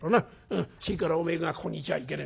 うんそれからおめえがここにいちゃいけねえ。